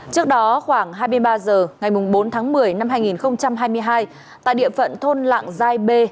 trước đó khoảng hai mươi ba h ngày bốn tháng một mươi năm hai nghìn hai mươi hai tại địa phận thôn lạng giai bê